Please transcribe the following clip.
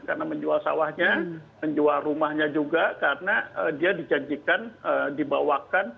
karena menjual sawahnya menjual rumahnya juga karena dia dijanjikan dibawakan batangan emas